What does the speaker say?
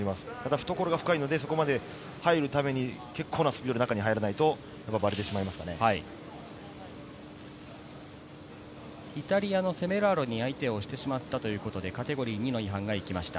懐が深いので、そこまで入るために結構なスピードで中に入らないイタリアのセメラーロに相手を押してしまったということでカテゴリー２の違反が行きました。